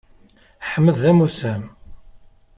Ḥmed d amusam.